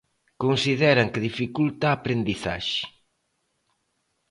Consideran que dificulta a aprendizaxe.